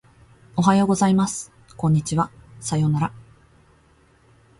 おはようございます。こんにちは。さようなら。